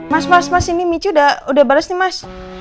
mas mas mas ini mici udah bales nih mas